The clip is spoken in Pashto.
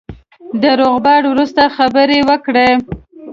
د روغبړ وروسته خبرې وکړې.